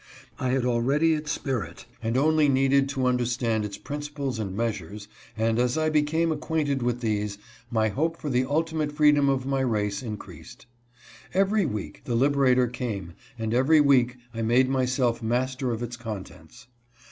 I had already its spirit, and only needed to understand its principles and mea sures, and as I became acquainted with these my hope for the ultimate freedom of my race increased. Every week the Liberator came, and every week I made myself master of its contents.